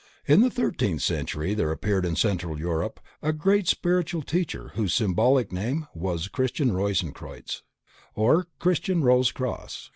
In the thirteenth century there appeared in central Europe a great spiritual teacher whose symbolical name was Christian Rosenkreuz. or Christian Rose Cross.